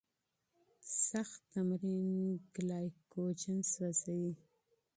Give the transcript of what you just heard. شدید تمرین ګلایکوجن سوځوي.